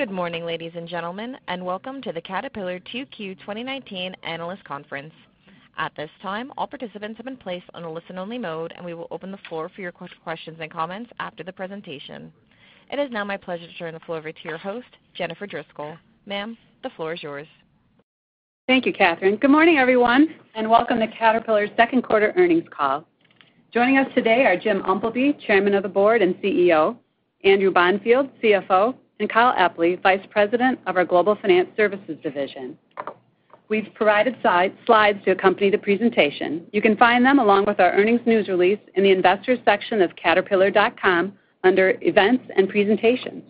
Good morning, ladies and gentlemen, and welcome to the Caterpillar 2Q 2019 analyst conference. At this time, all participants have been placed on a listen-only mode, and we will open the floor for your questions and comments after the presentation. It is now my pleasure to turn the floor over to your host, Jennifer Driscoll. Ma'am, the floor is yours. Thank you, Catherine. Good morning, everyone, and welcome to Caterpillar's second quarter earnings call. Joining us today are Jim Umpleby, Chairman of the Board and CEO, Andrew Bonfield, CFO, and Kyle Epley, Vice President of our Global Finance Services division. We've provided slides to accompany the presentation. You can find them, along with our earnings news release, in the Investors section of caterpillar.com under Events and Presentations.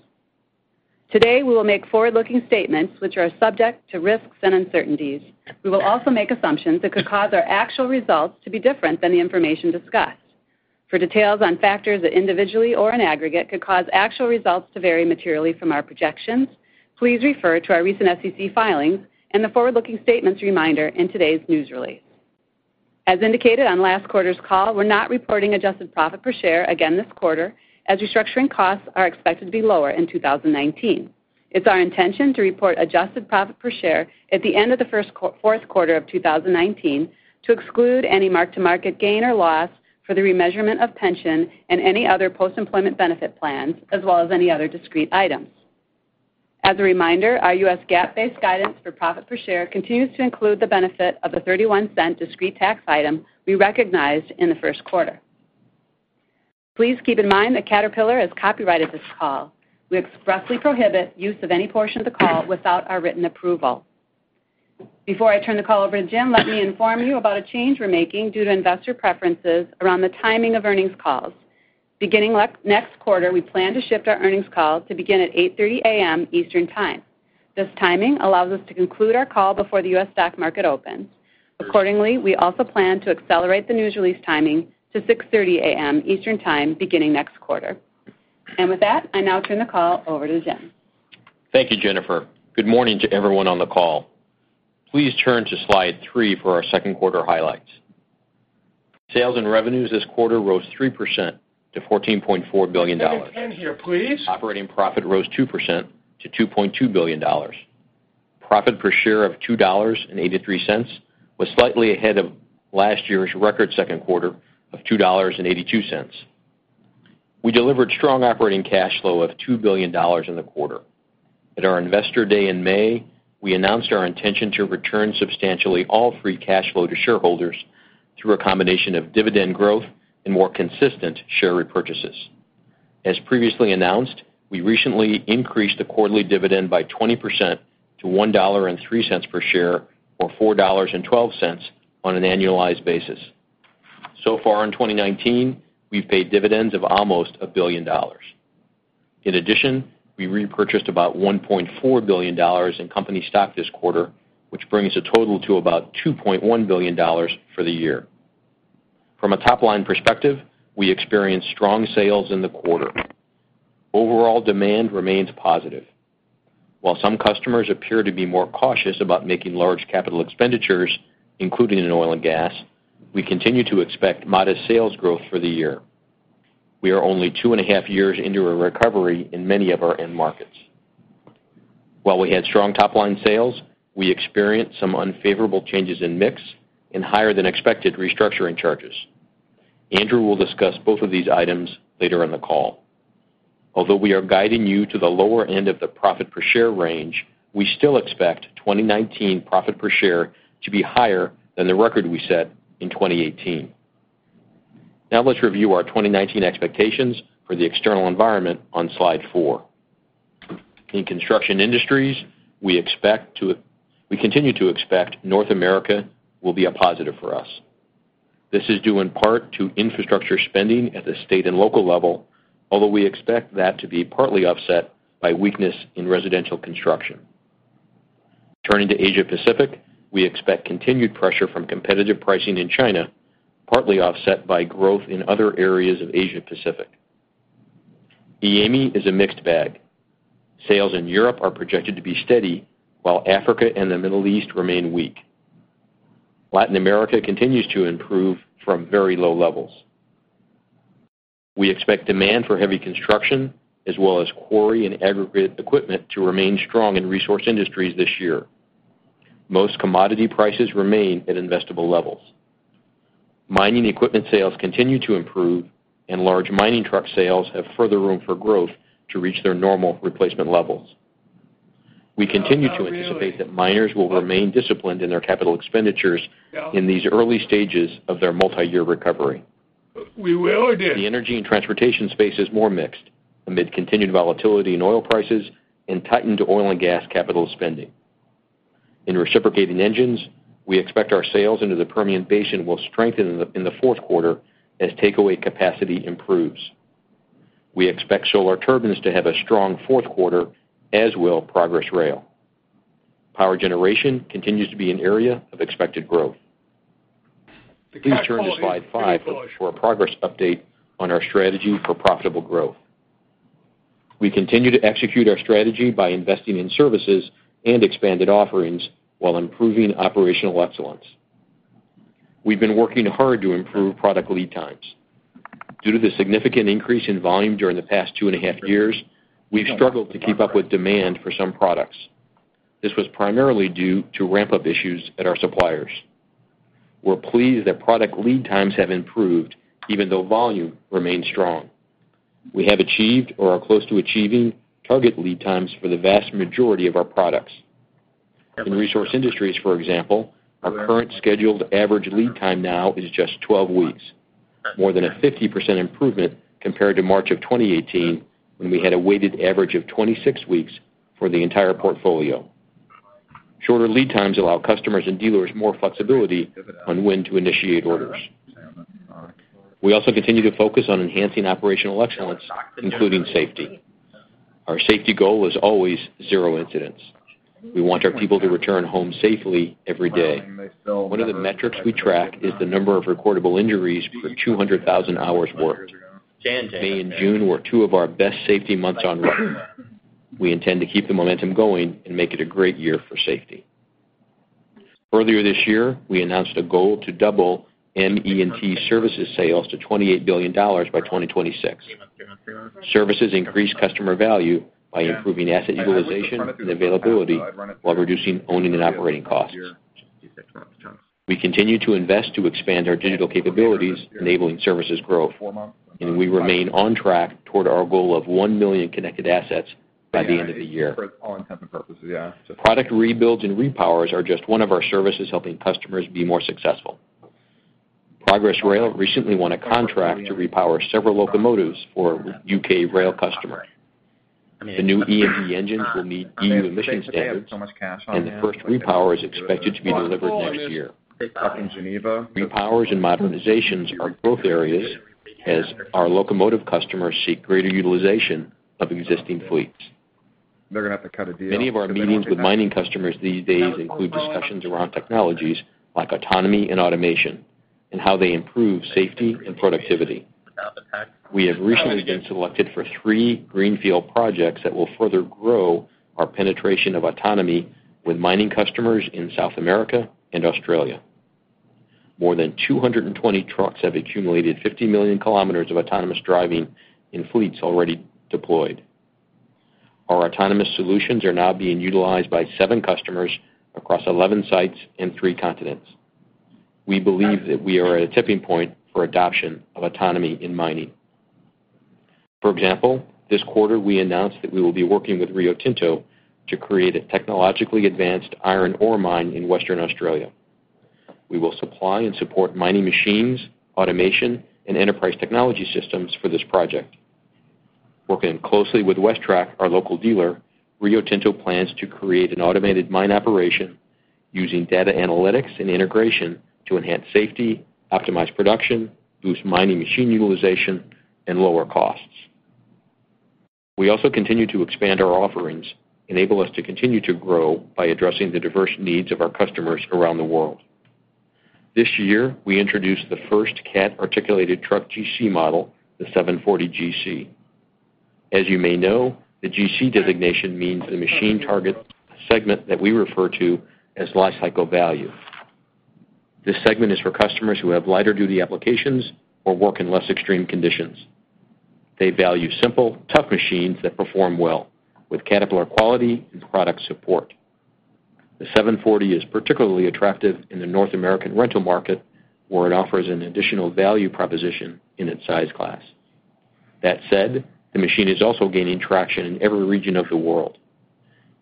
Today, we will make forward-looking statements which are subject to risks and uncertainties. We will also make assumptions that could cause our actual results to be different than the information discussed. For details on factors that individually or in aggregate could cause actual results to vary materially from our projections, please refer to our recent SEC filings and the forward-looking statements reminder in today's news release. As indicated on last quarter's call, we're not reporting adjusted profit per share again this quarter, as restructuring costs are expected to be lower in 2019. It's our intention to report adjusted profit per share at the end of the fourth quarter of 2019 to exclude any mark-to-market gain or loss for the remeasurement of pension and any other post-employment benefit plans, as well as any other discrete items. As a reminder, our U.S. GAAP-based guidance for profit per share continues to include the benefit of a $0.31 discrete tax item we recognized in the first quarter. Please keep in mind that Caterpillar has copyrighted this call. We expressly prohibit use of any portion of the call without our written approval. Before I turn the call over to Jim, let me inform you about a change we're making due to investor preferences around the timing of earnings calls. Beginning next quarter, we plan to shift our earnings call to begin at 8:30 A.M. Eastern Time. This timing allows us to conclude our call before the U.S. stock market opens. Accordingly, we also plan to accelerate the news release timing to 6:30 A.M. Eastern Time beginning next quarter. With that, I now turn the call over to Jim. Thank you, Jennifer. Good morning to everyone on the call. Please turn to slide three for our second quarter highlights. Sales and revenues this quarter rose 3% to $14.4 billion. Operating profit rose 2% to $2.2 billion. Profit per share of $2.83 was slightly ahead of last year's record second quarter of $2.82. We delivered strong operating cash flow of $2 billion in the quarter. At our Investor Day in May, we announced our intention to return substantially all free cash flow to shareholders through a combination of dividend growth and more consistent share repurchases. As previously announced, we recently increased the quarterly dividend by 20% to $1.03 per share, or $4.12 on an annualized basis. So far in 2019, we've paid dividends of almost $1 billion. In addition, we repurchased about $1.4 billion in company stock this quarter, which brings the total to about $2.1 billion for the year. From a top-line perspective, we experienced strong sales in the quarter. Overall demand remains positive. While some customers appear to be more cautious about making large capital expenditures, including in Oil & Gas, we continue to expect modest sales growth for the year. We are only 2.5 years into a recovery in many of our end markets. While we had strong top-line sales, we experienced some unfavorable changes in mix and higher than expected restructuring charges. Andrew will discuss both of these items later in the call. Although we are guiding you to the lower end of the profit per share range, we still expect 2019 profit per share to be higher than the record we set in 2018. Now let's review our 2019 expectations for the external environment on slide four. In Construction Industries, we continue to expect North America will be a positive for us. This is due in part to infrastructure spending at the state and local level, although we expect that to be partly offset by weakness in residential construction. Turning to Asia Pacific, we expect continued pressure from competitive pricing in China, partly offset by growth in other areas of Asia Pacific. EAME is a mixed bag. Sales in Europe are projected to be steady, while Africa and the Middle East remain weak. Latin America continues to improve from very low levels. We expect demand for heavy construction as well as quarry and aggregate equipment to remain strong in Resource Industries this year. Most commodity prices remain at investable levels. Mining equipment sales continue to improve, and large mining truck sales have further room for growth to reach their normal replacement levels. We continue to anticipate that miners will remain disciplined in their capital expenditures in these early stages of their multi-year recovery. The Energy & Transportation space is more mixed amid continued volatility in oil prices and tightened Oil & Gas capital spending. In reciprocating engines, we expect our sales into the Permian Basin will strengthen in the fourth quarter as takeaway capacity improves. We expect Solar Turbines to have a strong fourth quarter, as will Progress Rail. Power generation continues to be an area of expected growth. Please turn to slide five for a progress update on our strategy for profitable growth. We continue to execute our strategy by investing in services and expanded offerings while improving operational excellence. We've been working hard to improve product lead times. Due to the significant increase in volume during the past 2.5 years, we've struggled to keep up with demand for some products. This was primarily due to ramp-up issues at our suppliers. We're pleased that product lead times have improved, even though volume remains strong. We have achieved or are close to achieving target lead times for the vast majority of our products. In Resource Industries, for example, our current scheduled average lead time now is just 12 weeks, more than a 50% improvement compared to March of 2018, when we had a weighted average of 26 weeks for the entire portfolio. Shorter lead times allow customers and dealers more flexibility on when to initiate orders. We also continue to focus on enhancing operational excellence, including safety. Our safety goal is always zero incidents. We want our people to return home safely every day. One of the metrics we track is the number of recordable injuries per 200,000 hours worked. May and June were two of our best safety months on record. We intend to keep the momentum going and make it a great year for safety. Earlier this year, we announced a goal to double ME&T services sales to $28 billion by 2026. Services increase customer value by improving asset utilization and availability while reducing owning and operating costs. We continue to invest to expand our digital capabilities, enabling services growth, and we remain on track toward our goal of 1 million connected assets by the end of the year. Product rebuilds and repowers are just one of our services helping customers be more successful. Progress Rail recently won a contract to repower several locomotives for a U.K. rail customer. The new E&T engines will meet EU emission standards, and the first repower is expected to be delivered next year. Repowers and modernizations are growth areas as our locomotive customers seek greater utilization of existing fleets. Many of our meetings with mining customers these days include discussions around technologies like autonomy and automation, and how they improve safety and productivity. We have recently been selected for three greenfield projects that will further grow our penetration of autonomy with mining customers in South America and Australia. More than 220 trucks have accumulated 50 million kilometers of autonomous driving in fleets already deployed. Our autonomous solutions are now being utilized by seven customers across 11 sites in three continents. We believe that we are at a tipping point for adoption of autonomy in mining. For example, this quarter we announced that we will be working with Rio Tinto to create a technologically advanced iron ore mine in Western Australia. We will supply and support mining machines, automation, and enterprise technology systems for this project. Working closely with WesTrac, our local dealer, Rio Tinto plans to create an automated mine operation using data analytics and integration to enhance safety, optimize production, boost mining machine utilization, and lower costs. We also continue to expand our offerings, enable us to continue to grow by addressing the diverse needs of our customers around the world. This year, we introduced the first Cat articulated truck GC model, the 740 GC. As you may know, the GC designation means the machine targets a segment that we refer to as lifecycle value. This segment is for customers who have lighter-duty applications or work in less extreme conditions. They value simple, tough machines that perform well with Caterpillar quality and product support. The 740 is particularly attractive in the North American rental market, where it offers an additional value proposition in its size class. That said, the machine is also gaining traction in every region of the world.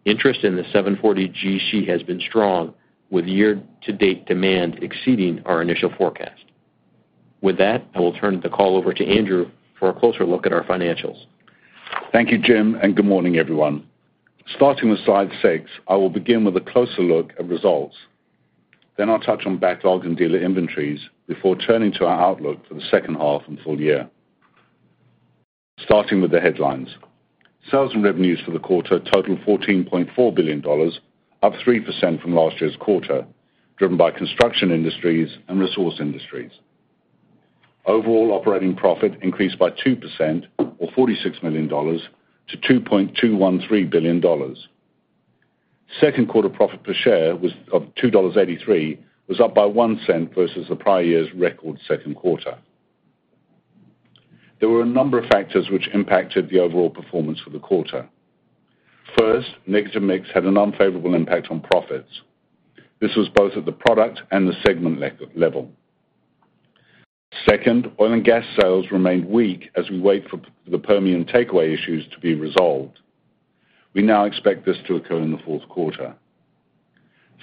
Interest in the 740 GC has been strong, with year-to-date demand exceeding our initial forecast. With that, I will turn the call over to Andrew for a closer look at our financials. Thank you, Jim. Good morning, everyone. Starting with slide six, I will begin with a closer look at results. I'll touch on backlog and dealer inventories before turning to our outlook for the second half and full year. Starting with the headlines, sales and revenues for the quarter totaled $14.4 billion, up 3% from last year's quarter, driven by Construction Industries and Resource Industries. Overall operating profit increased by 2%, or $46 million, to $2.213 billion. Second quarter profit per share of $2.83 was up by $0.01 versus the prior year's record second quarter. There were a number of factors which impacted the overall performance for the quarter. First, negative mix had an unfavorable impact on profits. This was both at the product and the segment level. Second, Oil & Gas sales remained weak as we wait for the Permian takeaway issues to be resolved. We now expect this to occur in the fourth quarter.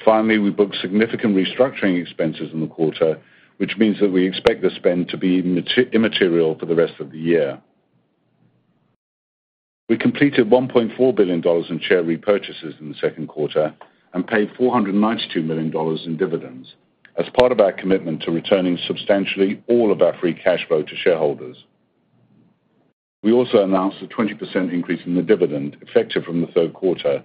Finally, we booked significant restructuring expenses in the quarter, which means that we expect the spend to be immaterial for the rest of the year. We completed $1.4 billion in share repurchases in the second quarter and paid $492 million in dividends as part of our commitment to returning substantially all of our free cash flow to shareholders. We also announced a 20% increase in the dividend effective from the third quarter,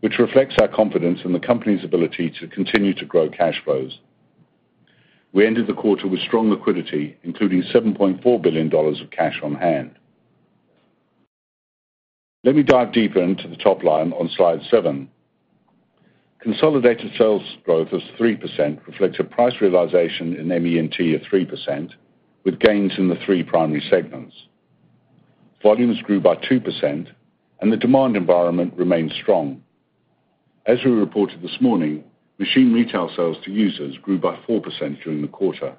which reflects our confidence in the company's ability to continue to grow cash flows. We ended the quarter with strong liquidity, including $7.4 billion of cash on hand. Let me dive deeper into the top line on slide seven. Consolidated sales growth of 3% reflects a price realization in ME&T of 3%, with gains in the three primary segments. Volumes grew by 2%, and the demand environment remains strong. As we reported this morning, machine retail sales to users grew by 4% during the quarter.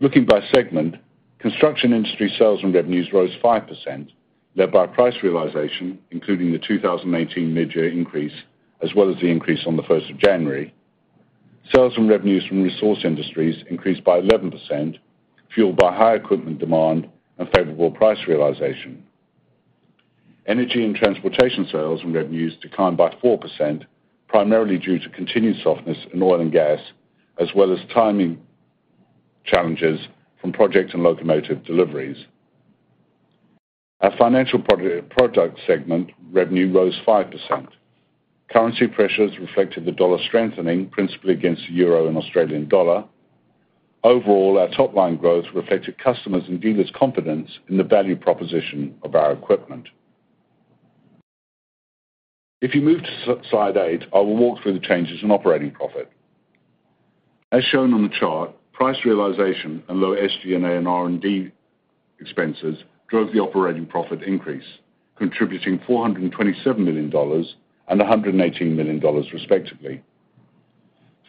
Looking by segment, Construction Industries sales and revenues rose 5%, led by price realization, including the 2018 mid-year increase, as well as the increase on the 1st of January. Sales and revenues from Resource Industries increased by 11%, fueled by high equipment demand and favorable price realization. Energy & Transportation sales and revenues declined by 4%, primarily due to continued softness in Oil & Gas, as well as timing challenges from projects and locomotive deliveries. Our financial product segment revenue rose 5%. Currency pressures reflected the dollar strengthening principally against the euro and Australian dollar. Overall, our top-line growth reflected customers' and dealers' confidence in the value proposition of our equipment. If you move to slide eight, I will walk through the changes in operating profit. As shown on the chart, price realization and low SG&A and R&D expenses drove the operating profit increase, contributing $427 million and $118 million respectively.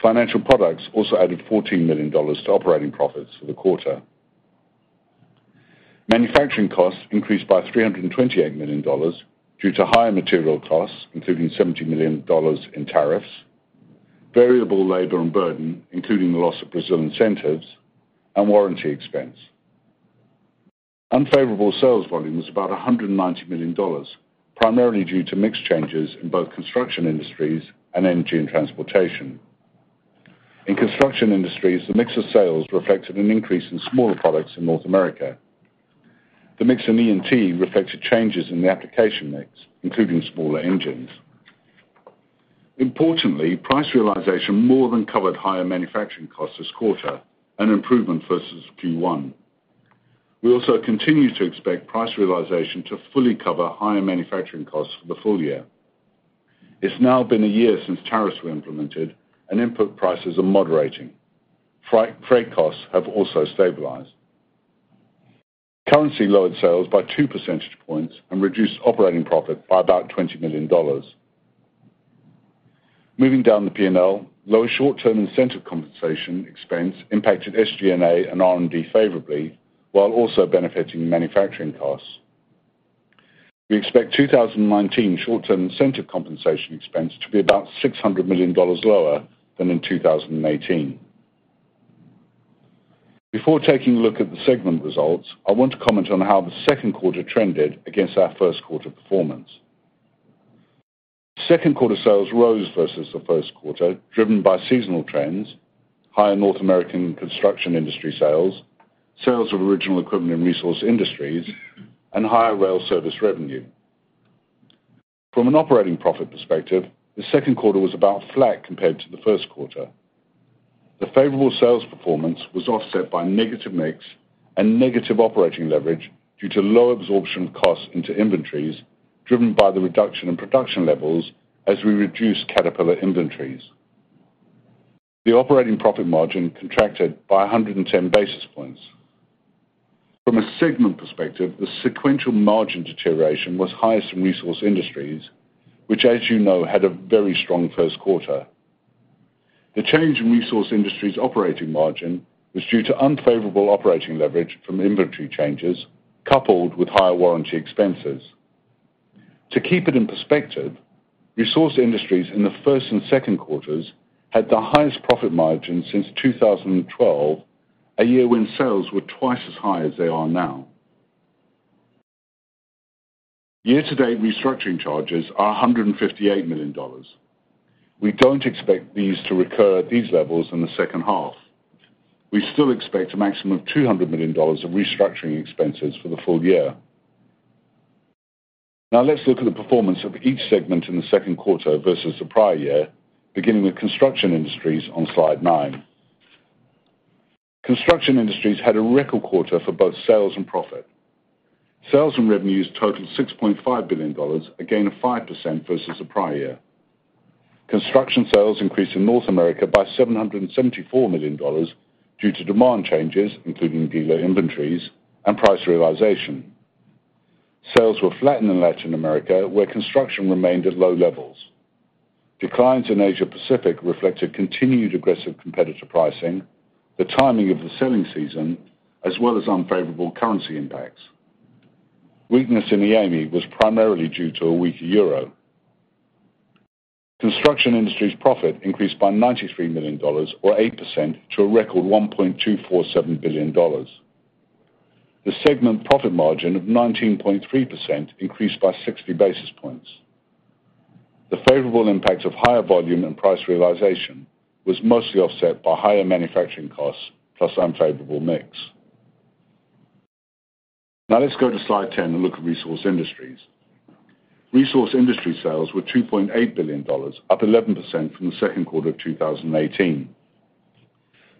Financial products also added $14 million to operating profits for the quarter. Manufacturing costs increased by $328 million due to higher material costs, including $70 million in tariffs, variable labor and burden, including the loss of Brazil incentives, and warranty expense. Unfavorable sales volume was about $190 million, primarily due to mix changes in both Construction Industries and Energy & Transportation. In Construction Industries, the mix of sales reflected an increase in smaller products in North America. The mix in E&T reflected changes in the application mix, including smaller engines. Importantly, price realization more than covered higher manufacturing costs this quarter, an improvement versus Q1. We also continue to expect price realization to fully cover higher manufacturing costs for the full year. It's now been a year since tariffs were implemented and input prices are moderating. Freight costs have also stabilized. Currency lowered sales by 2 percentage points and reduced operating profit by about $20 million. Moving down the P&L, lower short-term incentive compensation expense impacted SG&A and R&D favorably while also benefiting manufacturing costs. We expect 2019 short-term incentive compensation expense to be about $600 million lower than in 2018. Before taking a look at the segment results, I want to comment on how the second quarter trended against our first quarter performance. Second quarter sales rose versus the first quarter, driven by seasonal trends, higher North American construction industry sales of original equipment in Resource Industries, and higher rail service revenue. From an operating profit perspective, the second quarter was about flat compared to the first quarter. The favorable sales performance was offset by negative mix and negative operating leverage due to low absorption costs into inventories, driven by the reduction in production levels as we reduce Caterpillar inventories. The operating profit margin contracted by 110 basis points. From a segment perspective, the sequential margin deterioration was highest in Resource Industries, which as you know, had a very strong first quarter. The change in Resource Industries operating margin was due to unfavorable operating leverage from inventory changes coupled with higher warranty expenses. To keep it in perspective, Resource Industries in the first and second quarters had the highest profit margin since 2012, a year when sales were twice as high as they are now. Year-to-date restructuring charges are $158 million. We don't expect these to recur at these levels in the second half. We still expect a maximum of $200 million of restructuring expenses for the full year. Let's look at the performance of each segment in the second quarter versus the prior year, beginning with Construction Industries on slide nine. Construction Industries had a record quarter for both sales and profit. Sales and revenues totaled $6.5 billion, a gain of 5% versus the prior year. Construction sales increased in North America by $774 million due to demand changes, including dealer inventories and price realization. Sales were flat in Latin America, where construction remained at low levels. Declines in Asia-Pacific reflected continued aggressive competitor pricing, the timing of the selling season, as well as unfavorable currency impacts. Weakness in the EAME was primarily due to a weaker euro. Construction Industries profit increased by $93 million or 8% to a record $1.247 billion. The segment profit margin of 19.3% increased by 60 basis points. The favorable impact of higher volume and price realization was mostly offset by higher manufacturing costs plus unfavorable mix. Let's go to slide 10 and look at Resource Industries. Resource Industries sales were $2.8 billion, up 11% from the second quarter of 2018.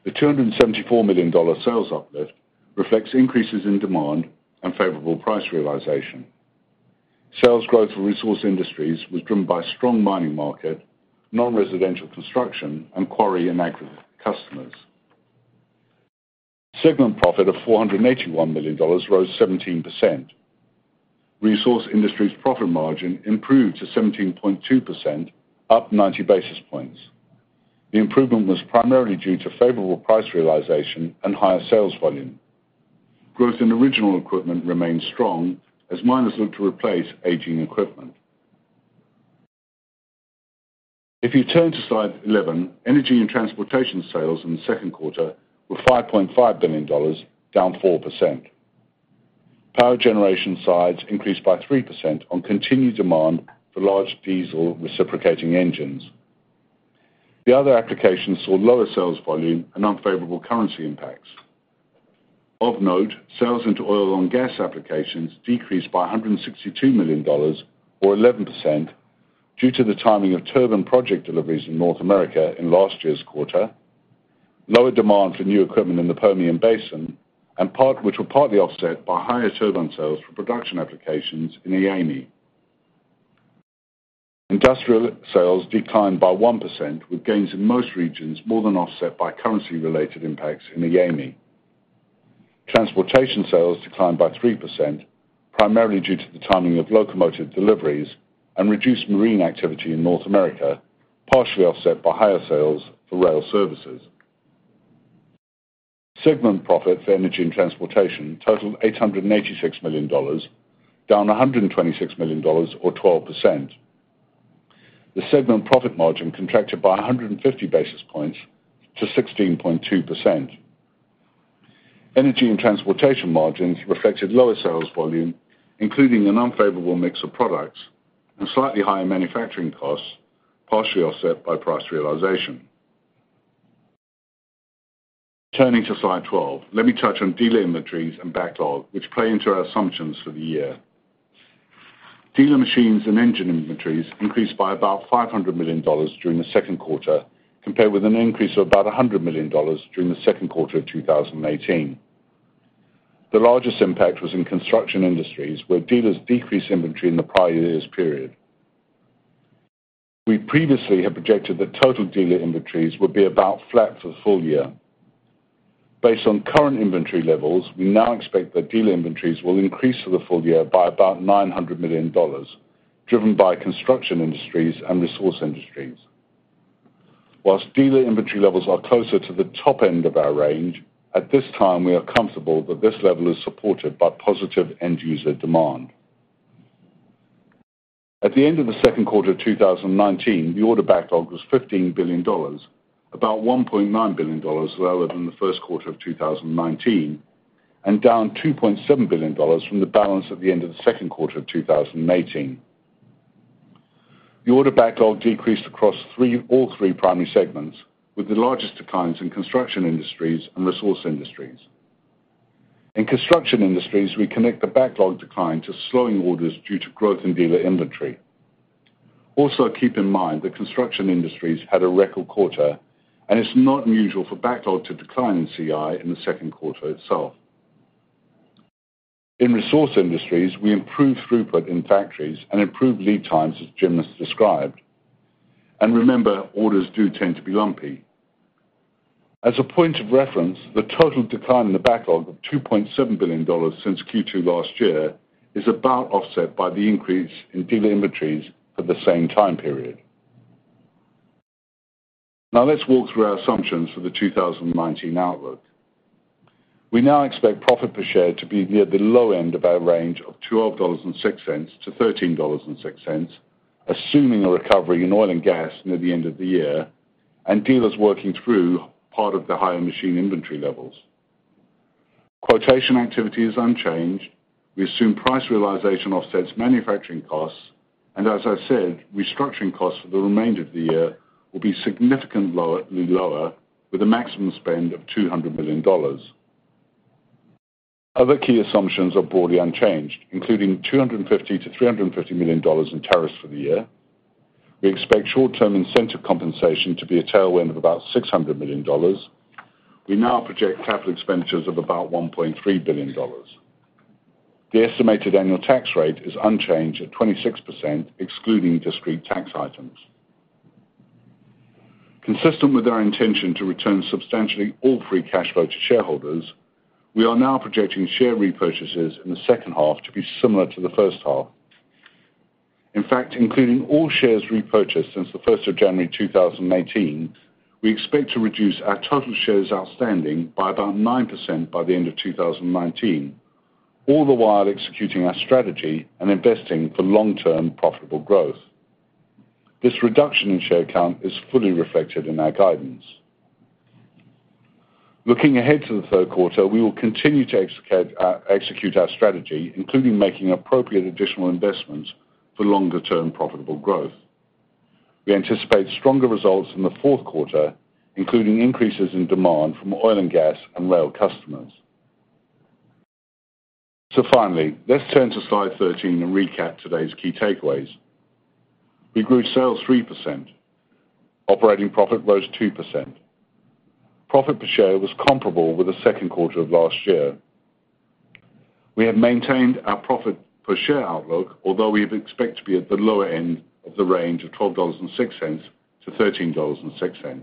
The $274 million sales uplift reflects increases in demand and favorable price realization. Sales growth for Resource Industries was driven by strong mining market, non-residential construction, and quarry and [agri] customers. Segment profit of $481 million rose 17%. Resource Industries profit margin improved to 17.2%, up 90 basis points. The improvement was primarily due to favorable price realization and higher sales volume. Growth in original equipment remained strong as miners look to replace aging equipment. If you turn to slide 11, Energy & Transportation sales in the second quarter were $5.5 billion, down 4%. Power generation sides increased by 3% on continued demand for large diesel reciprocating engines. The other applications saw lower sales volume and unfavorable currency impacts. Of note, sales into Oil & Gas applications decreased by $162 million or 11% due to the timing of turbine project deliveries in North America in last year's quarter, lower demand for new equipment in the Permian Basin, and part which were partly offset by higher turbine sales for production applications in EAME. Industrial sales declined by 1%, with gains in most regions more than offset by currency-related impacts in EAME. Transportation sales declined by 3%, primarily due to the timing of locomotive deliveries and reduced marine activity in North America, partially offset by higher sales for rail services. Segment profit for Energy & Transportation totaled $886 million, down $126 million or 12%. The segment profit margin contracted by 150 basis points to 16.2%. Energy & Transportation margins reflected lower sales volume, including an unfavorable mix of products and slightly higher manufacturing costs, partially offset by price realization. Turning to slide 12, let me touch on dealer inventories and backlog, which play into our assumptions for the year. Dealer machines and engine inventories increased by about $500 million during the second quarter, compared with an increase of about $100 million during the second quarter of 2018. The largest impact was in Construction Industries where dealers decreased inventory in the prior year's period. We previously had projected that total dealer inventories would be about flat for the full year. Based on current inventory levels, we now expect that dealer inventories will increase for the full year by about $900 million, driven by Construction Industries and Resource Industries. Whilst dealer inventory levels are closer to the top end of our range, at this time, we are comfortable that this level is supported by positive end-user demand. At the end of the second quarter of 2019, the order backlog was $15 billion, about $1.9 billion lower than the first quarter of 2019, and down $2.7 billion from the balance at the end of the second quarter of 2018. The order backlog decreased across all three primary segments, with the largest declines in Construction Industries and Resource Industries. In Construction Industries, we connect the backlog decline to slowing orders due to growth in dealer inventory. Also, keep in mind that Construction Industries had a record quarter, and it's not unusual for backlog to decline in CI in the second quarter itself. In Resource Industries, we improved throughput in factories and improved lead times, as Jim has described. Remember, orders do tend to be lumpy. As a point of reference, the total decline in the backlog of $2.7 billion since Q2 last year is about offset by the increase in dealer inventories for the same time period. Let's walk through our assumptions for the 2019 outlook. We now expect profit per share to be near the low end of our range of $12.06-$13.06, assuming a recovery in Oil & Gas near the end of the year and dealers working through part of the higher machine inventory levels. Quotation activity is unchanged. We assume price realization offsets manufacturing costs. As I said, restructuring costs for the remainder of the year will be significantly lower, with a maximum spend of $200 million. Other key assumptions are broadly unchanged, including $250 million-$350 million in tariffs for the year. We expect short-term incentive compensation to be a tailwind of about $600 million. We now project capital expenditures of about $1.3 billion. The estimated annual tax rate is unchanged at 26%, excluding discrete tax items. Consistent with our intention to return substantially all free cash flow to shareholders, we are now projecting share repurchases in the second half to be similar to the first half. In fact, including all shares repurchased since the 1st of January 2018, we expect to reduce our total shares outstanding by about 9% by the end of 2019, all the while executing our strategy and investing for long-term profitable growth. This reduction in share count is fully reflected in our guidance. Looking ahead to the third quarter, we will continue to execute our strategy, including making appropriate additional investments for longer-term profitable growth. We anticipate stronger results in the fourth quarter, including increases in demand from Oil & Gas and Rail customers. Finally, let's turn to slide 13 and recap today's key takeaways. We grew sales 3%. Operating profit rose 2%. Profit per share was comparable with the second quarter of last year. We have maintained our profit per share outlook, although we expect to be at the lower end of the range of $12.06-$13.06.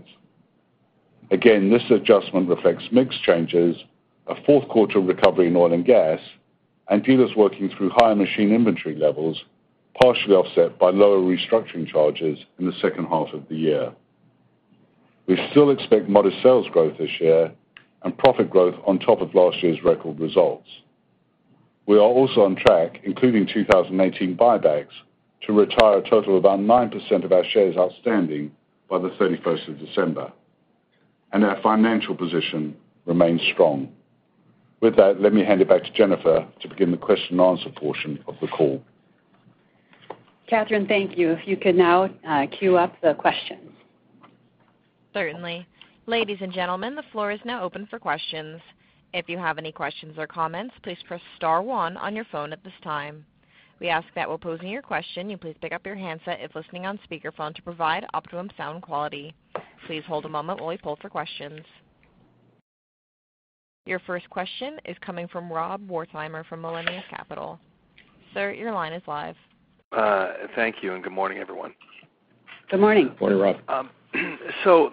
Again, this adjustment reflects mix changes, a fourth quarter recovery in Oil & Gas, and dealers working through higher machine inventory levels, partially offset by lower restructuring charges in the second half of the year. We still expect modest sales growth this year and profit growth on top of last year's record results. We are also on track, including 2018 buybacks, to retire a total of around 9% of our shares outstanding by the 31st of December, and our financial position remains strong. With that, let me hand it back to Jennifer to begin the question and answer portion of the call. Catherine, thank you. If you can now queue up the questions. Certainly. Ladies and gentlemen, the floor is now open for questions. If you have any questions or comments, please press star one on your phone at this time. We ask that while posing your question, you please pick up your handset if listening on speakerphone to provide optimum sound quality. Please hold a moment while we poll for questions. Your first question is coming from Rob Wertheimer from [Millenium Capital]. Sir, your line is live. Thank you, and good morning, everyone. Good morning. Morning, Rob.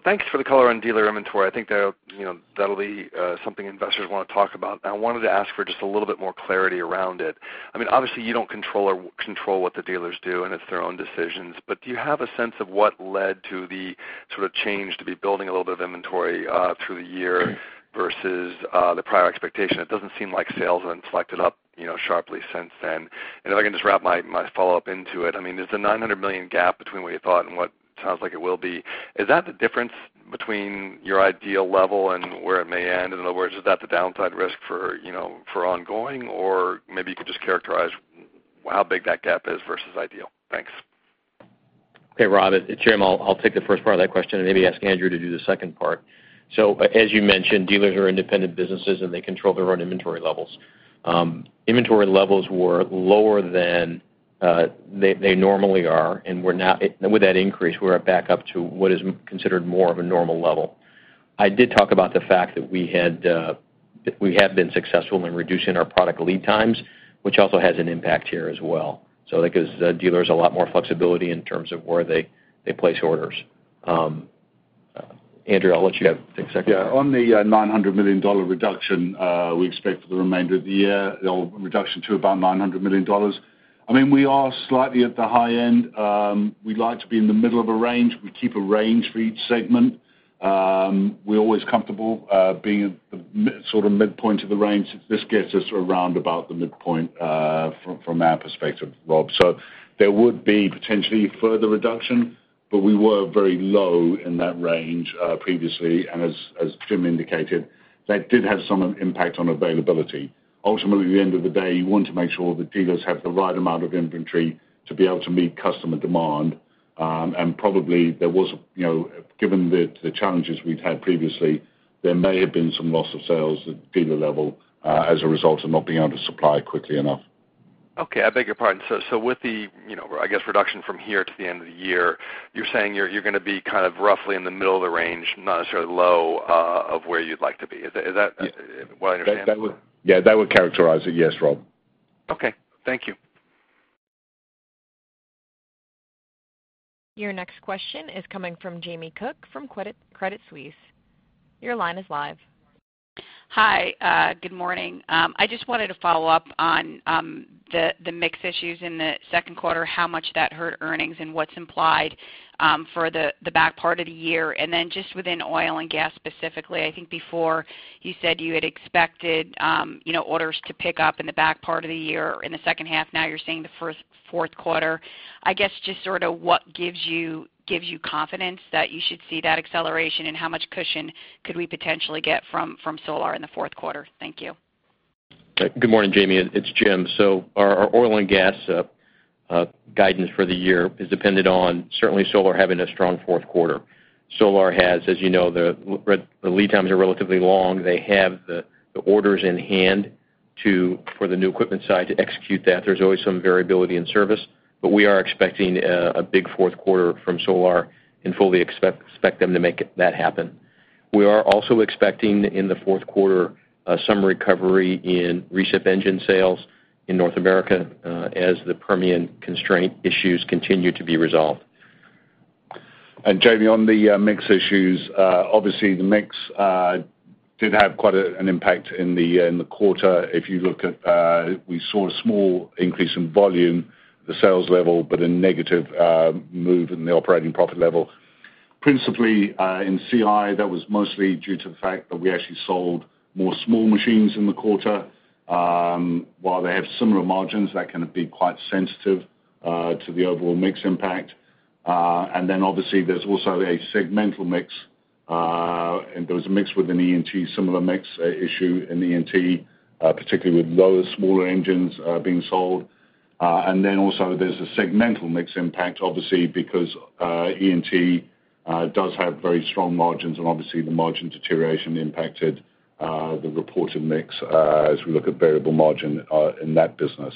Thanks for the color on dealer inventory. I think that'll be something investors want to talk about. I wanted to ask for just a little bit more clarity around it. Obviously, you don't control what the dealers do, and it's their own decisions, but do you have a sense of what led to the change to be building a little bit of inventory through the year versus the prior expectation? It doesn't seem like sales have then selected up sharply since then. If I can just wrap my follow-up into it, there's a $900 million gap between what you thought and what sounds like it will be. Is that the difference between your ideal level and where it may end? In other words, is that the downside risk for ongoing? Maybe you could just characterize how big that gap is versus ideal. Thanks. Okay, Rob. It's Jim, I'll take the first part of that question and maybe ask Andrew to do the second part. As you mentioned, dealers are independent businesses, and they control their own inventory levels. Inventory levels were lower than they normally are. With that increase, we're back up to what is considered more of a normal level. I did talk about the fact that we have been successful in reducing our product lead times, which also has an impact here as well. That gives the dealers a lot more flexibility in terms of where they place orders. Andrew, I'll let you have the second part. Yeah. On the $900 million reduction we expect for the remainder of the year, the reduction to about $900 million. We are slightly at the high end. We'd like to be in the middle of a range. We keep a range for each segment. We're always comfortable being at the midpoint of the range. This gets us around about the midpoint from our perspective, Rob, so there would be potentially further reduction, but we were very low in that range previously, and as Jim indicated, that did have some impact on availability. Ultimately, at the end of the day, you want to make sure the dealers have the right amount of inventory to be able to meet customer demand. Probably, given the challenges we've had previously, there may have been some loss of sales at the dealer level as a result of not being able to supply quickly enough. Okay. I beg your pardon. With the, I guess, reduction from here to the end of the year, you're saying you're going to be roughly in the middle of the range, not necessarily low of where you'd like to be. Is that what I understand? Yeah. That would characterize it. Yes, Rob. Okay. Thank you. Your next question is coming from Jamie Cook from Credit Suisse. Your line is live. Hi. Good morning. I just wanted to follow up on the mix issues in the second quarter, how much that hurt earnings and what's implied for the back part of the year. Just within Oil & Gas specifically, I think before you said you had expected orders to pick up in the back part of the year, in the second half. Now you're saying the fourth quarter. I guess, just sort of what gives you confidence that you should see that acceleration, and how much cushion could we potentially get from Solar in the fourth quarter? Thank you. Good morning, Jamie. It's Jim. Our Oil & Gas guidance for the year is dependent on certainly Solar having a strong fourth quarter. Solar has, as you know, the lead times are relatively long. They have the orders in hand for the new equipment side to execute that. There's always some variability in service, but we are expecting a big fourth quarter from Solar and fully expect them to make that happen. We are also expecting in the fourth quarter some recovery in recip engine sales in North America as the Permian constraint issues continue to be resolved. Jamie, on the mix issues, obviously the mix did have quite an impact in the quarter. We saw a small increase in volume at the sales level, but a negative move in the operating profit level, principally in CI. That was mostly due to the fact that we actually sold more small machines in the quarter. While they have similar margins, that can be quite sensitive to the overall mix impact. Obviously there's also a segmental mix, and there was a mix within E&T, similar mix issue in E&T, particularly with those smaller engines being sold. Also there's a segmental mix impact, obviously because E&T it does have very strong margins, and obviously the margin deterioration impacted the reported mix as we look at variable margin in that business.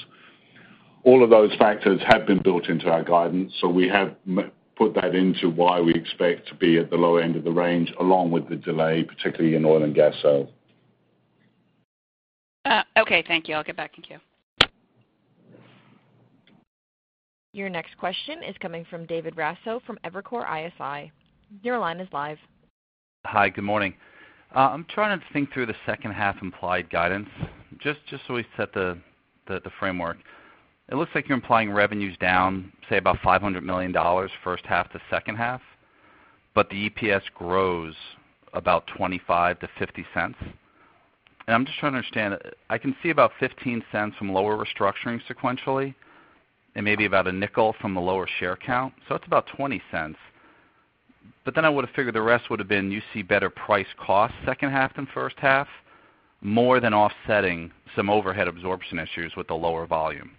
All of those factors have been built into our guidance. We have put that into why we expect to be at the low end of the range, along with the delay, particularly in Oil & Gas sales. Okay, thank you. I'll get back in queue. Your next question is coming from David Raso from Evercore ISI. Your line is live. Hi. Good morning. I'm trying to think through the second half implied guidance. It looks like you're implying revenues down about $500 million first half to second half, the EPS grows about $0.25-$0.50. I'm trying to understand. I can see about $0.15 from lower restructuring sequentially and maybe about $0.05 from the lower share count, that's about $0.20. I would've figured the rest would've been better price cost second half than first half, more than offsetting some overhead absorption issues with the lower volume.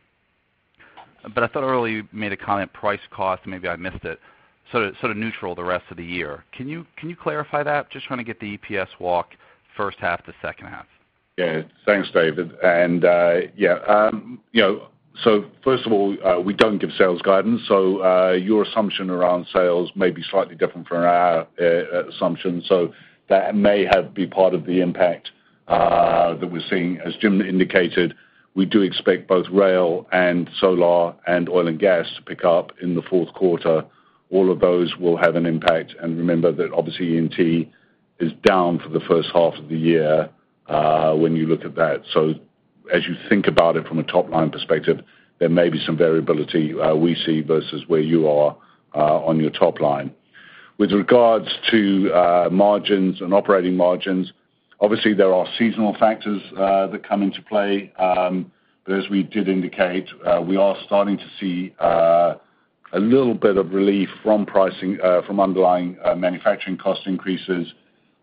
I thought earlier you made a comment price cost neutral the rest of the year. Can you clarify that? Trying to get the EPS walk first half to second half. Yeah. Thanks, David. First of all, we don't give sales guidance, so your assumption around sales may be slightly different from our assumption. That may be part of the impact that we're seeing. As Jim indicated, we do expect both Rail and Solar and Oil & Gas to pick up in the fourth quarter. All of those will have an impact, and remember that obviously E&T is down for the first half of the year, when you look at that. As you think about it from a top-line perspective, there may be some variability we see versus where you are on your top line. With regards to margins and operating margins, obviously there are seasonal factors that come into play. As we did indicate, we are starting to see a little bit of relief from pricing from underlying manufacturing cost increases.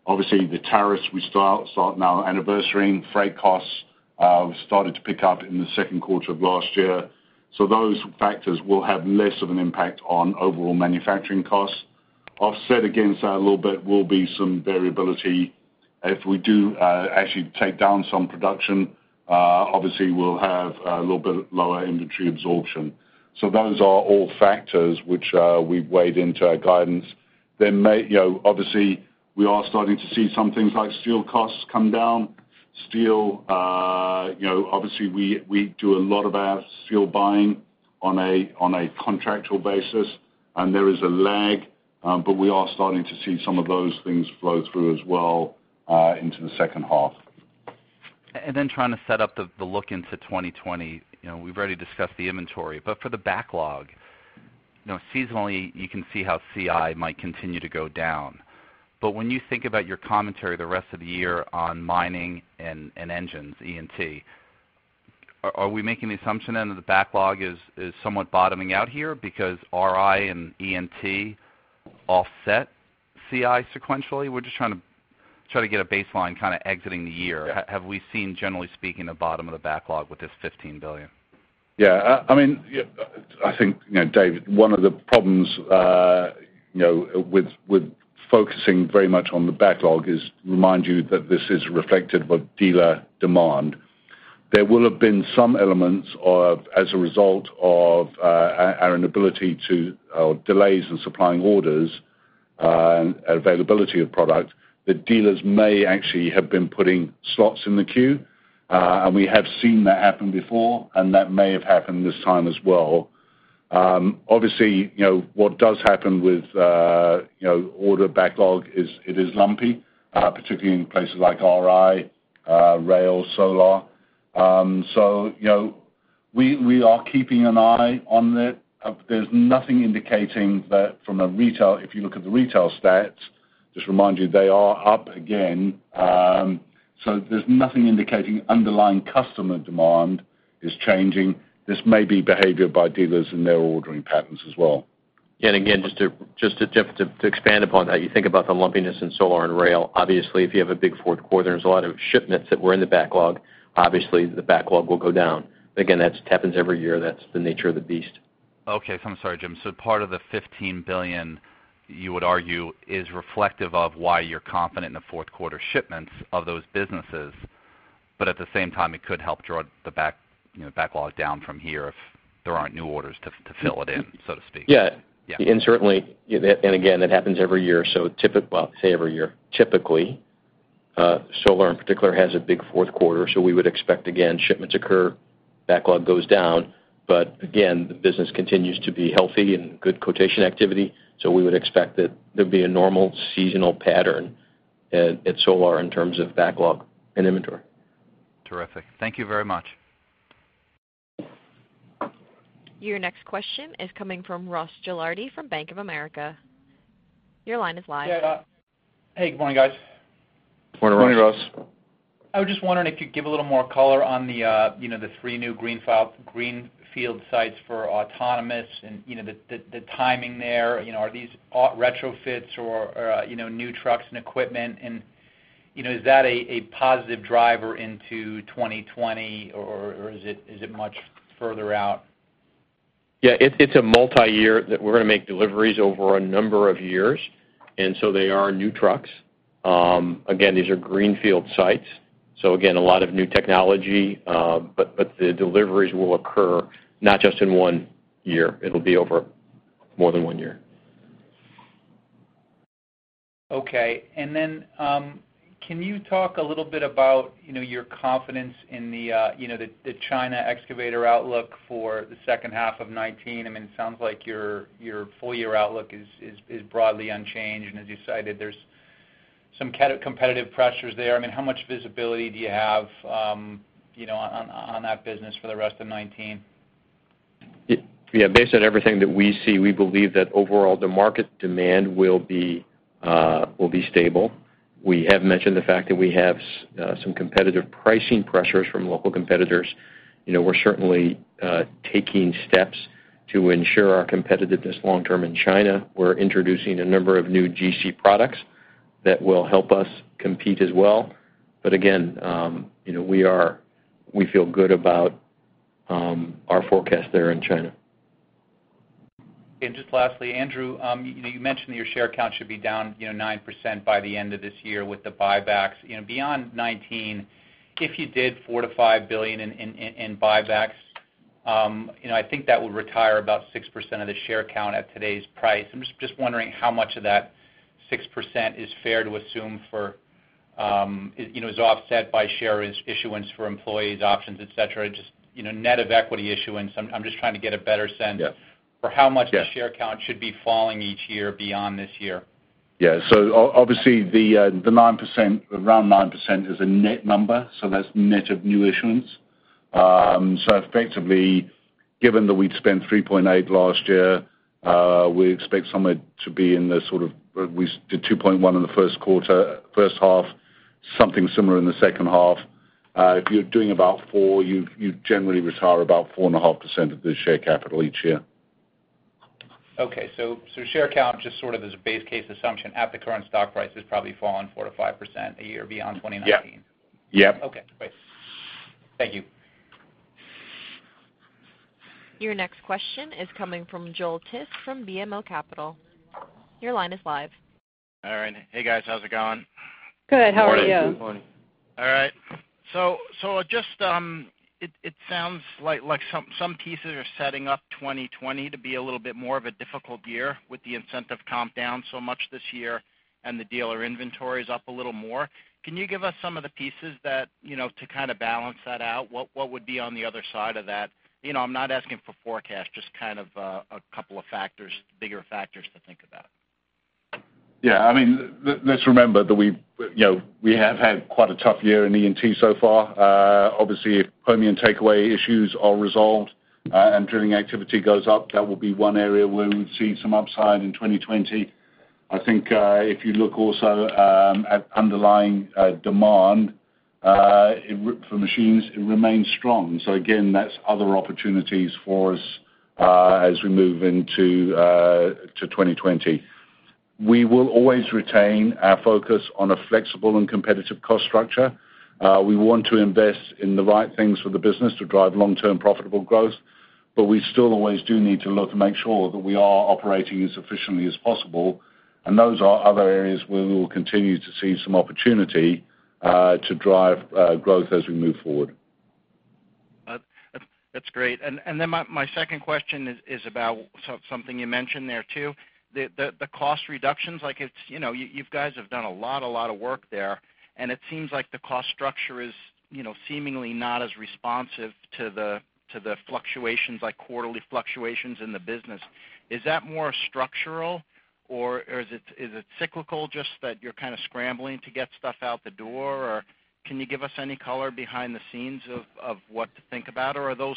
The tariffs we saw are now [anniversary-ing]. Freight costs have started to pick up in the second quarter of last year. Those factors will have less of an impact on overall manufacturing costs. Offset against that a little bit will be some variability. If we do actually take down some production, obviously we'll have a little bit lower inventory absorption. Those are all factors which we've weighed into our guidance. Obviously, we are starting to see some things like steel costs come down. Steel, obviously we do a lot of our steel buying on a contractual basis, and there is a lag, but we are starting to see some of those things flow through as well into the second half. Trying to set up the look into 2020. We've already discussed the inventory, but for the backlog, seasonally you can see how CI might continue to go down. When you think about your commentary the rest of the year on mining and engines, E&T, are we making the assumption then that the backlog is somewhat bottoming out here because RI and E&T offset CI sequentially? We're just trying to get a baseline exiting the year. Yeah. Have we seen, generally speaking, the bottom of the backlog with this $15 billion? Yeah. I think, David, one of the problems with focusing very much on the backlog is remind you that this is reflective of dealer demand. There will have been some elements as a result of our inability to, or delays in supplying orders, and availability of product, that dealers may actually have been putting slots in the queue. We have seen that happen before, and that may have happened this time as well. Obviously, what does happen with order backlog is it is lumpy, particularly in places like RI, Rail, Solar. We are keeping an eye on it. There's nothing indicating that from a retail, if you look at the retail stats, just remind you they are up again. There's nothing indicating underlying customer demand is changing. This may be behavior by dealers and their ordering patterns as well. Again, just to expand upon that, you think about the lumpiness in Solar and Rail. Obviously, if you have a big fourth quarter, there is a lot of shipments that were in the backlog. Obviously, the backlog will go down. Again, that happens every year. That is the nature of the beast. Okay. I'm sorry, Jim, part of the $15 billion, you would argue is reflective of why you're confident in the fourth quarter shipments of those businesses, but at the same time, it could help draw the backlog down from here if there aren't new orders to fill it in, so to speak. Yeah. Yeah. Certainly, and again, it happens every year, so well, say every year. Typically, Solar in particular has a big fourth quarter, so we would expect, again, shipments occur, backlog goes down, but again, the business continues to be healthy and good quotation activity, so we would expect that there'll be a normal seasonal pattern at Solar in terms of backlog and inventory. Terrific. Thank you very much. Your next question is coming from Ross Gilardi from Bank of America. Your line is live. Yeah. Hey, good morning, guys. Morning, Ross. Morning, Ross. I was just wondering if you'd give a little more color on the three new greenfield sites for autonomous and the timing there. Are these retrofits or new trucks and equipment, and is that a positive driver into 2020, or is it much further out? Yeah. It's a multi-year. We're going to make deliveries over a number of years. They are new trucks. Again, these are greenfield sites. Again, a lot of new technology, but the deliveries will occur not just in one year. It'll be over more than one year. Okay. Can you talk a little bit about your confidence in the China excavator outlook for the second half of 2019? It sounds like your full year outlook is broadly unchanged, and as you cited, there's some competitive pressures there. How much visibility do you have on that business for the rest of 2019? Yeah. Based on everything that we see, we believe that overall, the market demand will be stable. We have mentioned the fact that we have some competitive pricing pressures from local competitors. We're certainly taking steps to ensure our competitiveness long-term in China. We're introducing a number of new GC products that will help us compete as well. Again, we feel good about our forecast there in China. Just lastly, Andrew, you mentioned that your share count should be down 9% by the end of this year with the buybacks. Beyond 2019, if you did $4 billion-$5 billion in buybacks, I think that would retire about 6% of the share count at today's price. I'm just wondering how much of that 6% is fair to assume is offset by share issuance for employees, options, et cetera. Just net of equity issuance, I'm just trying to get a better sense... Yeah. ... For how much the share count should be falling each year beyond this year. Obviously, the around 9% is a net number, so that's net of new issuance. Effectively, given that we'd spent [$3.8 billion] last year, we expect somewhere to be in the sort of, we did [$2.1 billion] in the first quarter, first half, something similar in the second half. If you're doing about four, you generally retire about 4.5% of the share capital each year. Okay, share count just sort of as a base case assumption at the current stock price has probably fallen 4%-5% a year beyond 2019. Yeah. Okay, great. Thank you. Your next question is coming from Joel Tiss from BMO Capital. Your line is live. All right. Hey, guys. How's it going? Good. How are you? Morning. All right. Just, it sounds like some pieces are setting up 2020 to be a little bit more of a difficult year with the incentive comp down so much this year and the dealer inventories up a little more. Can you give us some of the pieces to kind of balance that out? What would be on the other side of that? I'm not asking for forecast, just kind of a couple of bigger factors to think about. Yeah. Let's remember that we have had quite a tough year in E&T so far. Obviously, if Permian takeaway issues are resolved and drilling activity goes up, that will be one area where we would see some upside in 2020. I think, if you look also at underlying demand for machines, it remains strong. Again, that's other opportunities for us as we move into 2020. We will always retain our focus on a flexible and competitive cost structure. We want to invest in the right things for the business to drive long-term profitable growth, but we still always do need to look to make sure that we are operating as efficiently as possible. Those are other areas where we will continue to see some opportunity to drive growth as we move forward. That's great. My second question is about something you mentioned there, too. The cost reductions, you guys have done a lot of work there, and it seems like the cost structure is seemingly not as responsive to the fluctuations, like quarterly fluctuations in the business. Is that more structural or is it cyclical, just that you're kind of scrambling to get stuff out the door? Can you give us any color behind the scenes of what to think about? Are those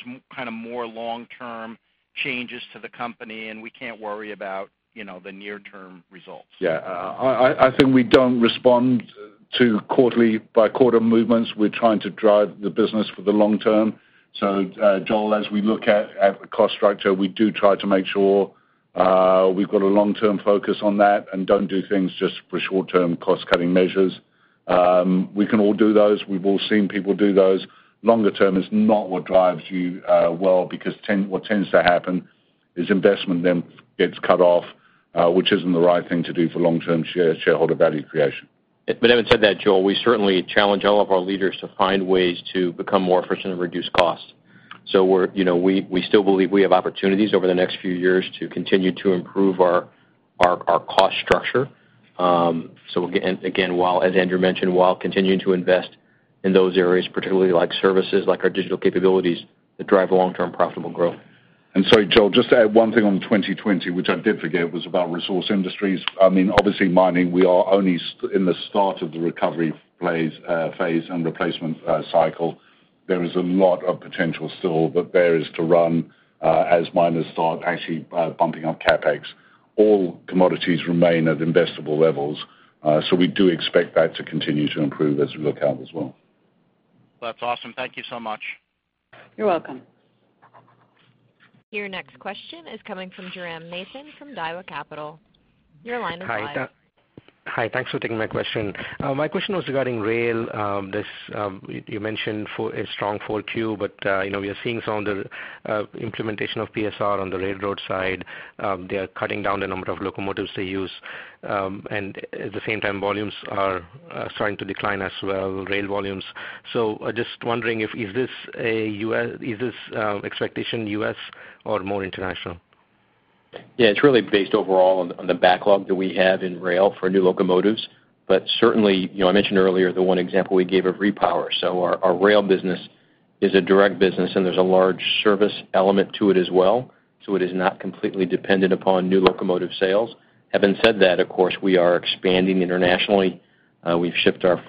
more long-term changes to the company and we can't worry about the near-term results? Yeah. I think we don't respond to quarterly by quarter movements. We're trying to drive the business for the long term. Joel, as we look at cost structure, we do try to make sure we've got a long-term focus on that and don't do things just for short-term cost-cutting measures. We can all do those. We've all seen people do those. Longer term is not what drives you well, because what tends to happen is investment then gets cut off, which isn't the right thing to do for long-term shareholder value creation. Having said that, Joel, we certainly challenge all of our leaders to find ways to become more efficient and reduce costs. We still believe we have opportunities over the next few years to continue to improve our cost structure. Again, as Andrew mentioned, while continuing to invest in those areas, particularly like services, like our digital capabilities that drive long-term profitable growth. Sorry, Joel, just to add one thing on 2020, which I did forget, was about Resource Industries. Obviously, mining, we are only in the start of the recovery phase and replacement cycle. There is a lot of potential still that there is to run as miners start actually bumping up CapEx. All commodities remain at investable levels. We do expect that to continue to improve as we look out as well. That's awesome. Thank you so much. You're welcome. Your next question is coming from Jairam Nathan from Daiwa Capital. Your line is live. Hi. Thanks for taking my question. My question was regarding Rail. You mentioned a strong 4Q, we are seeing some of the implementation of PSR on the railroad side. They are cutting down the number of locomotives they use. At the same time, volumes are starting to decline as well, rail volumes. Just wondering, is this expectation U.S. or more international? Yeah, it's really based overall on the backlog that we have in Rail for new locomotives. Certainly, I mentioned earlier the one example we gave of Repower. Our Rail business is a direct business, and there's a large service element to it as well. It is not completely dependent upon new locomotive sales. Having said that, of course, we are expanding internationally. We've shipped our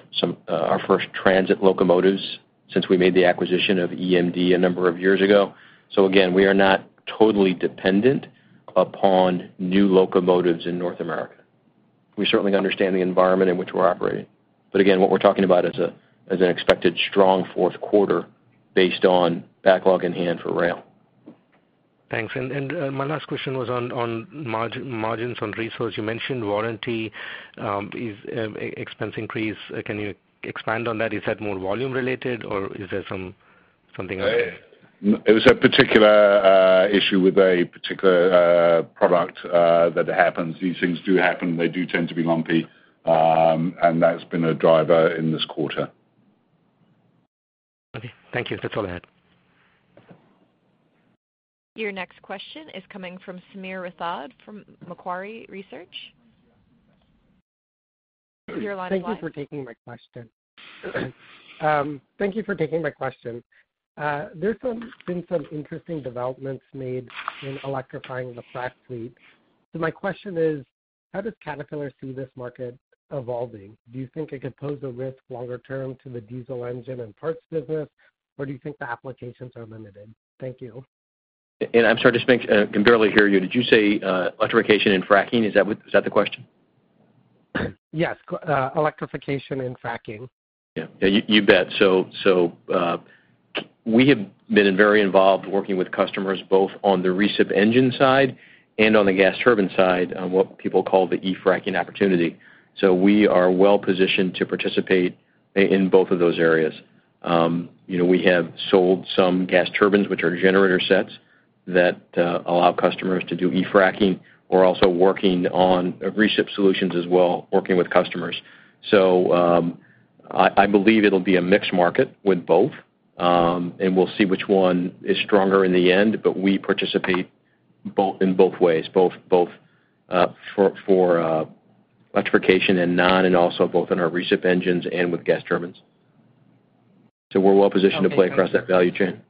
first transit locomotives since we made the acquisition of EMD a number of years ago. Again, we are not totally dependent upon new locomotives in North America. We certainly understand the environment in which we're operating. Again, what we're talking about is an expected strong fourth quarter based on backlog in hand for Rail. Thanks. My last question was on margins on Resource. You mentioned warranty, expense increase. Can you expand on that? Is that more volume related, or is there something else? It was a particular issue with a particular product that happens. These things do happen. They do tend to be lumpy. That's been a driver in this quarter. Okay, thank you. That's all I had. Your next question is coming from Sameer Rathod from Macquarie Research. Your line is live. Thank you for taking my question. There's been some interesting developments made in electrifying the frac fleet. My question is, how does Caterpillar see this market evolving? Do you think it could pose a risk longer term to the diesel engine and parts business, or do you think the applications are limited? Thank you. I'm sorry, just can barely hear you. Did you say electrification in fracking? Is that the question? Yes. Electrification in fracking. Yeah. You bet. We have been very involved working with customers, both on the recip engine side and on the gas turbine side on what people call the e-fracking opportunity. We are well-positioned to participate in both of those areas. We have sold some gas turbines, which are generator sets that allow customers to do e-fracking. We're also working on recip solutions as well, working with customers. I believe it'll be a mixed market with both, and we'll see which one is stronger in the end, but we participate in both ways, both for electrification and non, and also both in our recip engines and with gas turbines. We're well positioned to play across that value chain.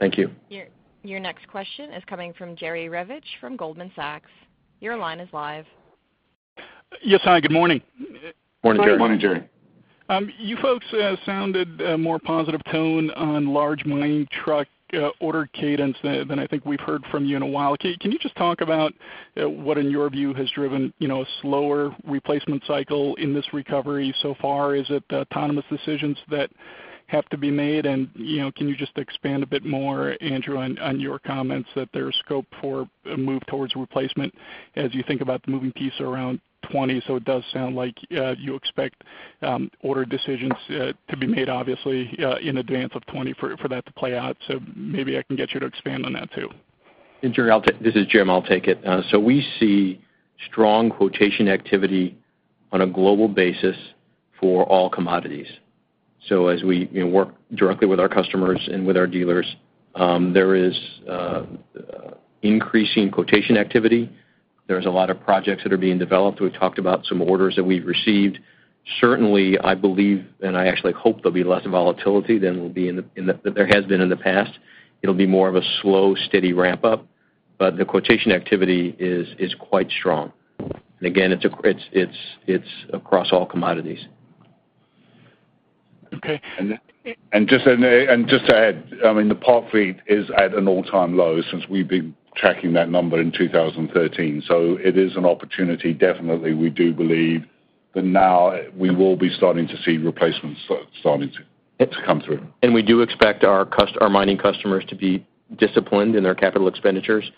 Thank you. Your next question is coming from Jerry Revich from Goldman Sachs. Your line is live. Yes, hi, good morning. Morning, Jerry. Morning, Jerry. You folks sounded a more positive tone on large mining truck order cadence than I think we've heard from you in a while. Can you just talk about what, in your view, has driven a slower replacement cycle in this recovery so far? Is it autonomous decisions that have to be made? Can you just expand a bit more, Andrew, on your comments that there's scope for a move towards replacement as you think about the moving piece around 2020? It does sound like you expect order decisions to be made, obviously, in advance of 2020 for that to play out. Maybe I can get you to expand on that too. Jerry, this is Jim. I'll take it. We see strong quotation activity on a global basis for all commodities. As we work directly with our customers and with our dealers, there is increasing quotation activity. There's a lot of projects that are being developed. We've talked about some orders that we've received. Certainly, I believe, and I actually hope there'll be less volatility than there has been in the past. It'll be more of a slow, steady ramp up. The quotation activity is quite strong. Again, it's across all commodities. Okay. Just to add, the [parked fleet] is at an all-time low since we've been tracking that number in 2013. It is an opportunity, definitely, we do believe that now we will be starting to see replacements starting to come through. We do expect our mining customers to be disciplined in their capital expenditures.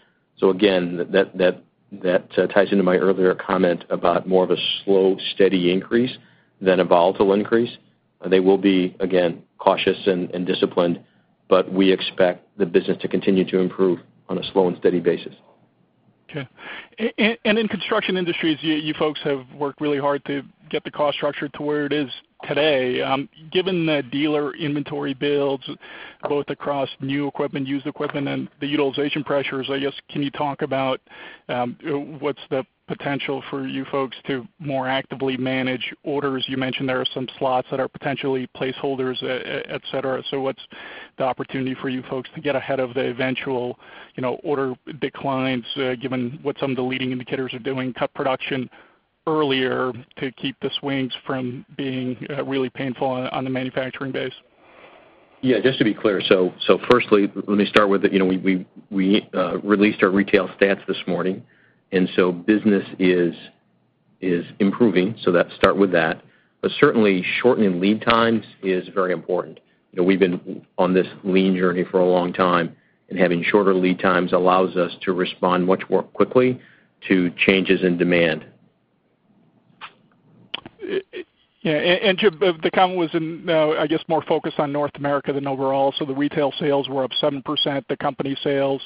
Again, that ties into my earlier comment about more of a slow, steady increase than a volatile increase. They will be, again, cautious and disciplined, but we expect the business to continue to improve on a slow and steady basis. Okay. In Construction Industries, you folks have worked really hard to get the cost structure to where it is today. Given the dealer inventory builds, both across new equipment, used equipment, and the utilization pressures, I guess, can you talk about what's the potential for you folks to more actively manage orders? You mentioned there are some slots that are potentially placeholders, et cetera. What's the opportunity for you folks to get ahead of the eventual order declines, given what some of the leading indicators are doing, cut production earlier to keep the swings from being really painful on the manufacturing base? Yeah, just to be clear, firstly, let me start with we released our retail stats this morning, business is improving, so let's start with that. Certainly, shortening lead times is very important. We've been on this lean journey for a long time, having shorter lead times allows us to respond much more quickly to changes in demand. Yeah. Jim, the comment was in, I guess, more focused on North America than overall. The retail sales were up 7%. The company sales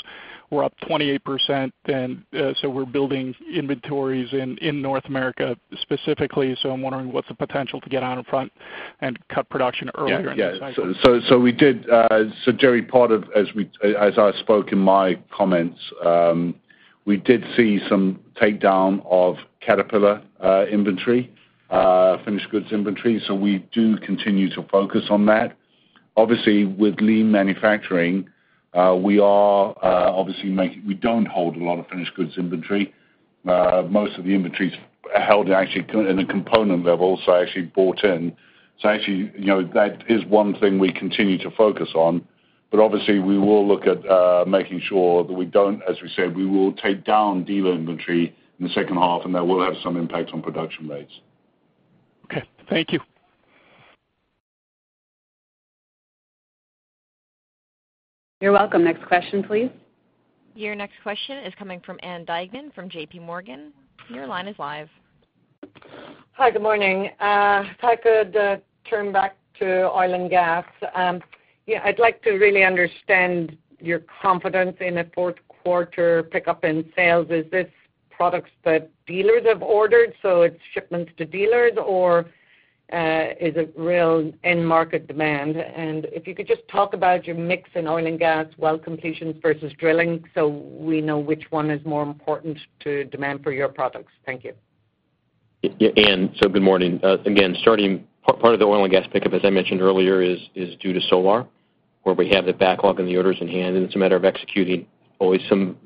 were up 28%. We're building inventories in North America specifically. I'm wondering what's the potential to get out in front and cut production earlier in the cycle. Jerry, as I spoke in my comments, we did see some takedown of Caterpillar inventory, finished goods inventory. We do continue to focus on that. Obviously, with lean manufacturing, we don't hold a lot of finished goods inventory. Most of the inventory's held actually in a component level, so actually bought in. Actually, that is one thing we continue to focus on. Obviously, we will look at making sure that we don't, as we said, we will take down dealer inventory in the second half, and that will have some impact on production rates. Okay. Thank you. You're welcome. Next question, please. Your next question is coming from Ann Duignan from JPMorgan. Your line is live. Hi. Good morning. If I could turn back to Oil & Gas. I'd like to really understand your confidence in a fourth quarter pickup in sales. Is this products that dealers have ordered, so it's shipments to dealers, or is it real end market demand? If you could just talk about your mix in Oil & Gas well completions versus drilling, so we know which one is more important to demand for your products. Thank you. Ann, good morning. Again, part of the Oil & Gas pickup, as I mentioned earlier, is due to Solar, where we have the backlog and the orders in hand, and it's a matter of executing. Always some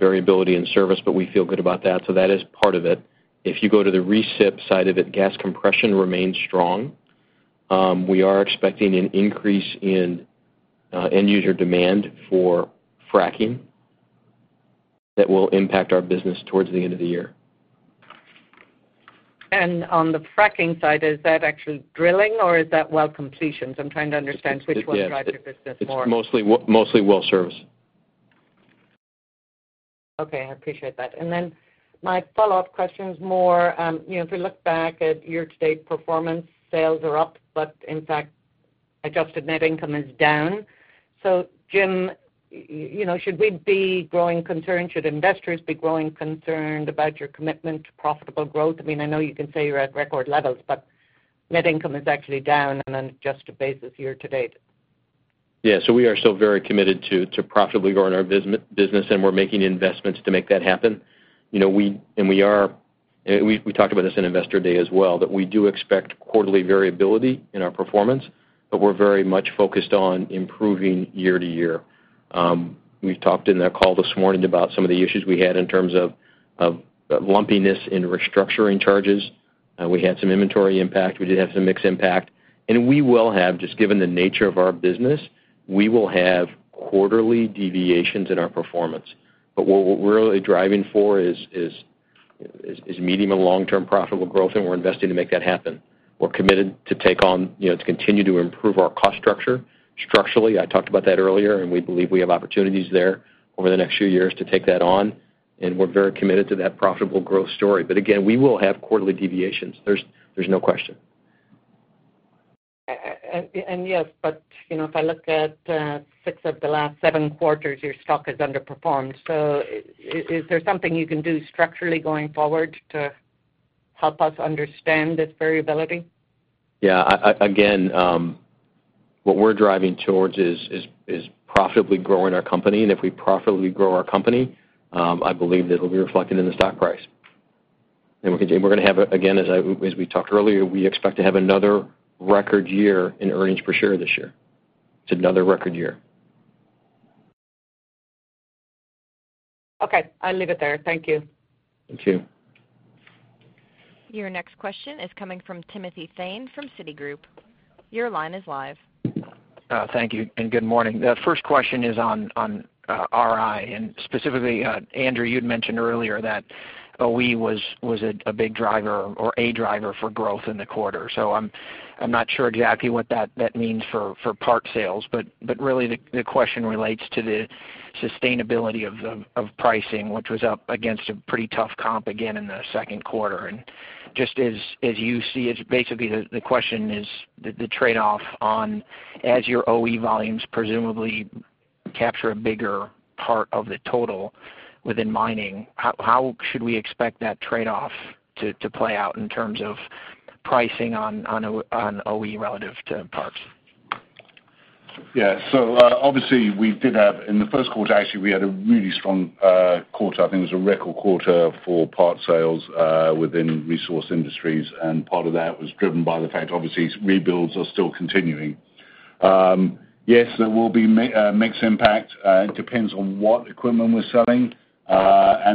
variability in service, but we feel good about that. That is part of it. If you go to the recip side of it, gas compression remains strong. We are expecting an increase in end user demand for fracking that will impact our business towards the end of the year. On the fracking side, is that actually drilling or is that well completions? I'm trying to understand which one drives your business more. It's mostly well service. Okay, I appreciate that. My follow-up question is more, if we look back at year-to-date performance, sales are up, but in fact, adjusted net income is down. Jim, should we be growing concerned? Should investors be growing concerned about your commitment to profitable growth? I know you can say you're at record levels, but net income is actually down on an adjusted basis year-to-date. We are still very committed to profitably growing our business, and we're making investments to make that happen. We talked about this in Investor Day as well, that we do expect quarterly variability in our performance, but we're very much focused on improving year-to-year. We've talked in that call this morning about some of the issues we had in terms of lumpiness in restructuring charges. We had some inventory impact. We did have some mix impact. We will have, just given the nature of our business, we will have quarterly deviations in our performance. What we're really driving for is medium- and long-term profitable growth, and we're investing to make that happen. We're committed to continue to improve our cost structure. Structurally, I talked about that earlier. We believe we have opportunities there over the next few years to take that on. We're very committed to that profitable growth story. Again, we will have quarterly deviations. There's no question. Yes, if I look at six of the last seven quarters, your stock has underperformed. Is there something you can do structurally going forward to help us understand this variability? Yeah. Again, what we're driving towards is profitably growing our company. If we profitably grow our company, I believe that it'll be reflected in the stock price. We're going to have, again, as we talked earlier, we expect to have another record year in earnings per share this year. It's another record year. Okay, I'll leave it there. Thank you. Thank you. Your next question is coming from Timothy Thein from Citigroup. Your line is live. Thank you, and good morning. The first question is on RI, and specifically, Andrew, you'd mentioned earlier that OE was a big driver or a driver for growth in the quarter. I'm not sure exactly what that means for parts sales, but really the question relates to the sustainability of pricing, which was up against a pretty tough comp again in the second quarter. Just as you see it, basically the question is the trade-off on as your OE volumes presumably capture a bigger part of the total within mining, how should we expect that trade-off to play out in terms of pricing on OE relative to parts? Obviously, in the first quarter, actually, we had a really strong quarter. I think it was a record quarter for parts sales within Resource Industries, part of that was driven by the fact, obviously, rebuilds are still continuing. Yes, there will be mix impact. It depends on what equipment we're selling,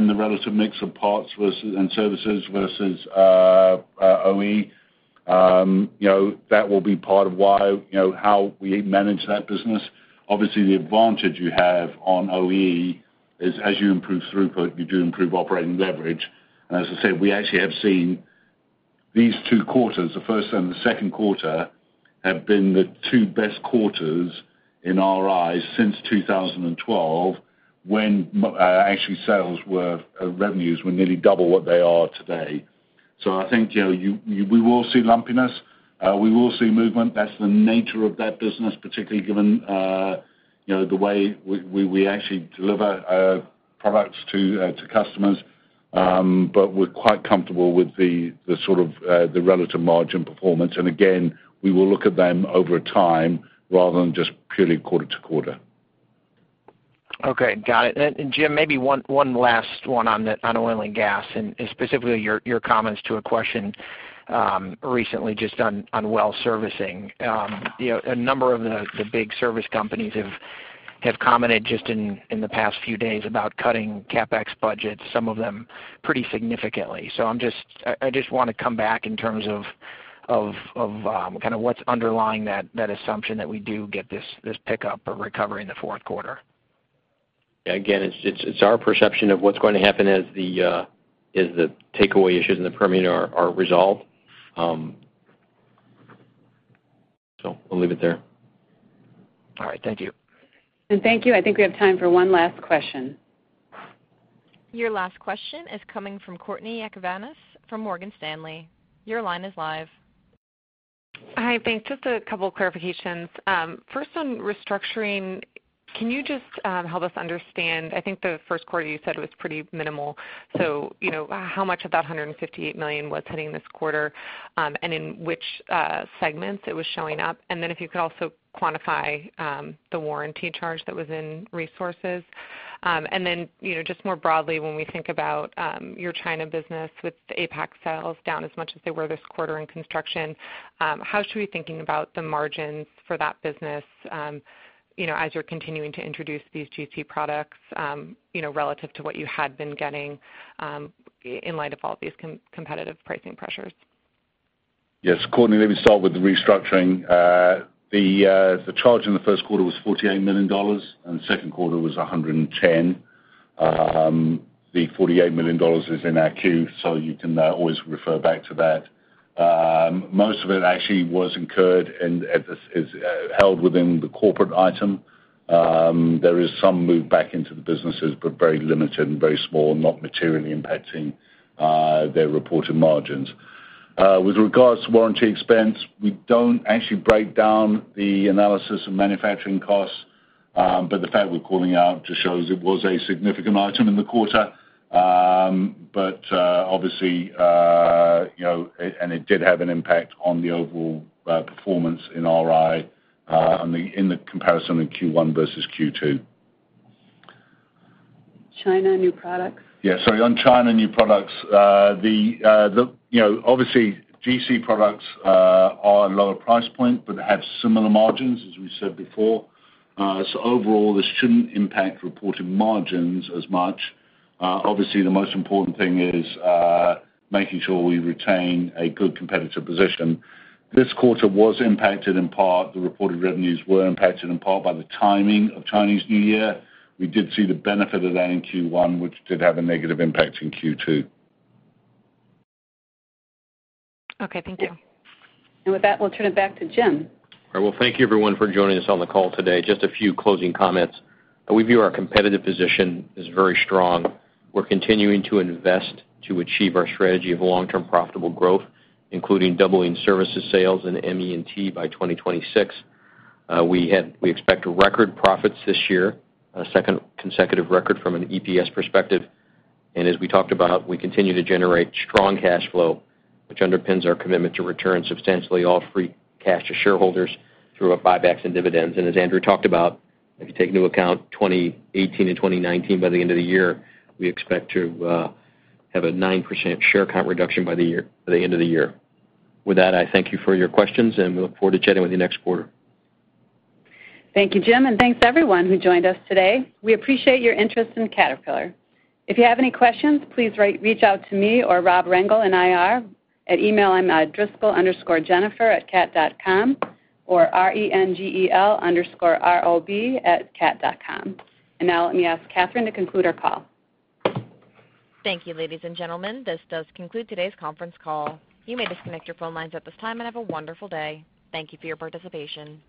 the relative mix of parts and services versus OE. That will be part of how we manage that business. Obviously, the advantage you have on OE is as you improve throughput, you do improve operating leverage. As I said, we actually have seen these two quarters, the first and the second quarter, have been the two best quarters, in our eyes, since 2012, when actually, revenues were nearly double what they are today. I think we will see lumpiness. We will see movement. That's the nature of that business, particularly given the way we actually deliver products to customers. We're quite comfortable with the relative margin performance. Again, we will look at them over time rather than just purely quarter-to-quarter. Okay, got it. Jim, maybe one last one on Oil & Gas, and specifically your comments to a question recently just on well servicing. A number of the big service companies have commented just in the past few days about cutting CapEx budgets, some of them pretty significantly. I just want to come back in terms of what's underlying that assumption that we do get this pickup or recovery in the fourth quarter. Again, it's our perception of what's going to happen as the takeaway issues in the Permian are resolved. I'll leave it there. All right. Thank you. Thank you. I think we have time for one last question. Your last question is coming from Courtney Yakavonis from Morgan Stanley. Your line is live. Hi. Thanks. Just a couple of clarifications. First, on restructuring, can you just help us understand, I think the first quarter you said was pretty minimal, so how much of that $158 million was hitting this quarter, and in which segments it was showing up? If you could also quantify the warranty charge that was in Resource Industries. Just more broadly, when we think about your China business with the APAC sales down as much as they were this quarter in Construction, how should we be thinking about the margins for that business as you're continuing to introduce these GC products relative to what you had been getting in light of all these competitive pricing pressures? Yes, Courtney, let me start with the restructuring. The charge in the first quarter was $48 million, and the second quarter was [$110 million]. The $48 million is in our [Q], so you can always refer back to that. Most of it actually was incurred and is held within the corporate item. There is some move back into the businesses, but very limited and very small, not materially impacting their reported margins. With regards to warranty expense, we don't actually break down the analysis of manufacturing costs, but the fact we're calling out just shows it was a significant item in the quarter. Obviously, and it did have an impact on the overall performance in RI in the comparison of Q1 versus Q2. China new products. Yeah, sorry. On China new products, obviously GC products are a lower price point but have similar margins, as we said before. Overall, this shouldn't impact reported margins as much. Obviously, the most important thing is making sure we retain a good competitive position. This quarter was impacted in part, the reported revenues were impacted in part by the timing of Chinese New Year. We did see the benefit of that in Q1, which did have a negative impact in Q2. Okay, thank you. With that, we'll turn it back to Jim. Thank you everyone for joining us on the call today. Just a few closing comments. We view our competitive position as very strong. We're continuing to invest to achieve our strategy of long-term profitable growth, including doubling services sales in ME&T by 2026. We expect record profits this year, a second consecutive record from an EPS perspective. As we talked about, we continue to generate strong cash flow, which underpins our commitment to return substantially all free cash to shareholders through our buybacks and dividends. As Andrew talked about, if you take into account 2018 and 2019, by the end of the year, we expect to have a 9% share count reduction by the end of the year. With that, I thank you for your questions, and we look forward to chatting with you next quarter. Thank you, Jim, and thanks everyone who joined us today. We appreciate your interest in Caterpillar. If you have any questions, please reach out to me or Rob Rengel in IR at email. I'm at driscoll_jennifer@cat.com or rengel_rob@cat.com. Now let me ask Catherine to conclude our call. Thank you, ladies and gentlemen. This does conclude today's conference call. You may disconnect your phone lines at this time, and have a wonderful day. Thank you for your participation.